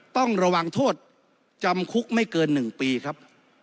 ต้องระวังโทษจำคุกไม่เกิน๑ปีครับ